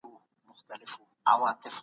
يو او پنځه؛ شپږ عدد کيږي.